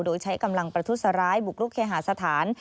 โดยใช้กำลังประทุษร้ายบุกรุกเคหาสถาน